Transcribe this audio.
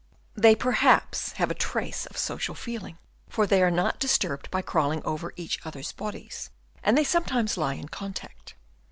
They perhaps have a trace of social feeling, for they are not disturbed by crawling over each other's bodies, and they sometimes lie in contact.